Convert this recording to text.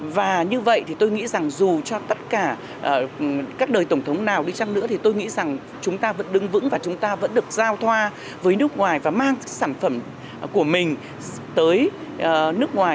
và như vậy thì tôi nghĩ rằng dù cho tất cả các đời tổng thống nào đi chăng nữa thì tôi nghĩ rằng chúng ta vẫn đứng vững và chúng ta vẫn được giao thoa với nước ngoài và mang sản phẩm của mình tới nước ngoài